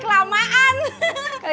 misalnya terima kasih